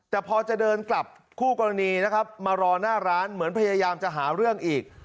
แต่พอจะเดินกลับคู่กรณีนะครับมารอหน้าร้านเหมือนพยายามจะหาเรื่องอีก